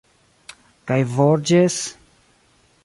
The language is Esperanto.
Kaj Borĝes...